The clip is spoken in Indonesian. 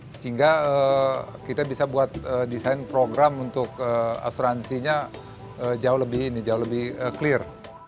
sehingga kita bisa buat desain program untuk asuransinya jauh lebih ini jauh lebih clear